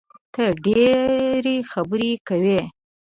ته ډېري خبري کوې!